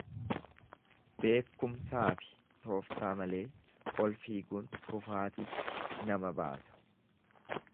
Beekkumsaafi tooftaa malee ol fiiguun kufaatiitti nama baasa.